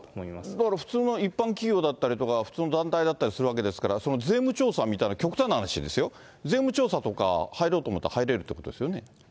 だから普通の一般企業だったり、普通の団体だったりするわけですから、その税務調査みたいな、極端な話ですよ、税務調査とか入ろうと思ったら入れるということですよね？